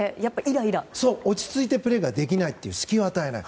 落ち着いてプレーできない隙を与えない。